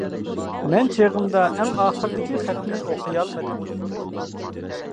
مەن چېغىمدا ئەڭ ئاخىرىدىكى خەتنى ئوقۇيالمىدىم.